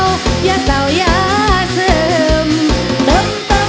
ยาวสร้างเจ้ายาวสร้างเจ้า